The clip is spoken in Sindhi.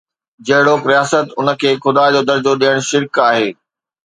جهڙوڪ، رياست، انهن کي خدا جو درجو ڏيڻ شرڪ آهي.